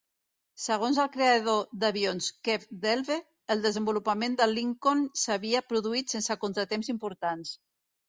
Segons el creador d'avions Kev Delve, el desenvolupament del Lincoln s'havia produït sense contratemps importants.